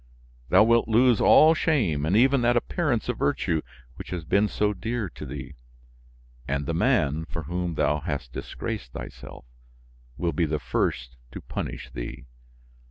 Thou wilt lose all shame and even that appearance of virtue which has been so dear to thee; and the man, for whom thou hast disgraced thyself, will be the first to punish thee.